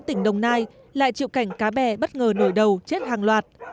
tỉnh đồng nai lại chịu cảnh cá bè bất ngờ nổi đầu chết hàng loạt